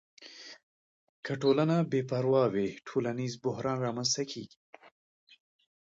که ټولنه بې پروا وي، ټولنیز بحران رامنځته کیږي.